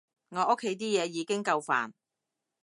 我屋企啲嘢已經夠煩